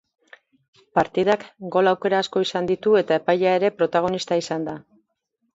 Partidak gol aukera asko izan dite eta epailea ere protagonista izan da.